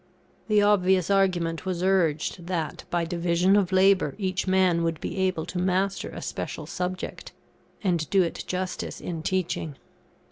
The obvious argument was urged, that, by division of labour each man would be able to master a special subject, and do it justice in teaching.